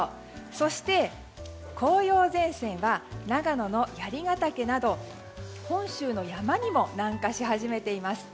そして紅葉前線が長野の槍ヶ岳など本州の山にも南下し始めています。